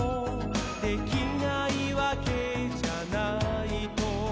「できないわけじゃないと」